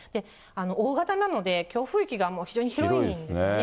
大型なので、強風域がもう非常に広いんですね。